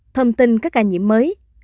thông tin các ca nhiễm mới